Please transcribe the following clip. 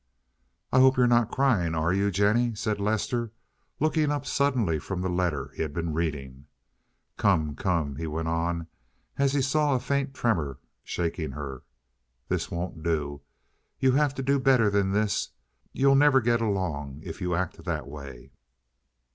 "I hope you're not crying, are you, Jennie?" said Lester, looking up suddenly from the letter he had been reading. "Come, come," he went on as he saw a faint tremor shaking her. "This won't do. You have to do better than this. You'll never get along if you act that way."